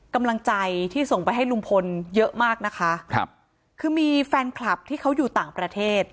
กำลังใจที่ส่งไปให้ลุงพลเยอะมากนะคะครับคือมีแฟนคลับที่เขาอยู่ต่างประเทศ